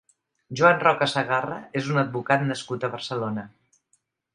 Joan Roca Sagarra és un advocat nascut a Barcelona.